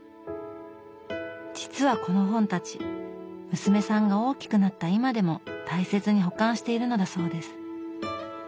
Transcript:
実はこの本たち娘さんが大きくなった今でも大切に保管しているのだそうです。